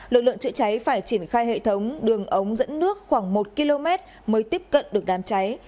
lực lượng chữa cháy phải triển khai hệ thống đường ống dẫn nước khoảng một km mới tiếp cận được đám cháy